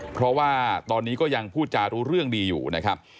เพราะว่าตอนนี้ก็ยังพูดจารู้เรื่องดีอยู่นะครับ